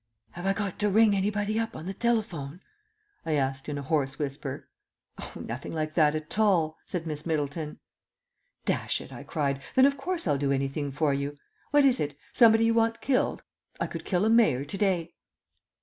"Have I got to ring anybody up on the telephone?" I asked in a hoarse whisper. "Oh, nothing like that at all," said Miss Middleton. "Dash it," I cried, "then of course I'll do anything for you. What is it? Somebody you want killed? I could kill a mayor to day."